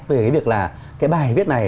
về cái việc là cái bài viết này